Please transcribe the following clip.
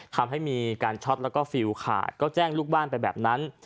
ทำให้มีการช็อตแล้วก็ฟิลขาดก็แจ้งลูกบ้านไปแบบนั้น